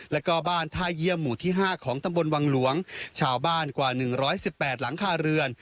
แล้วก็บ้านท่าเยี่ยมหมู่ที่ห้าของตำบลวังหลวงชาวบ้านกว่าหนึ่งร้อยสิบแปดหลังคาเรือน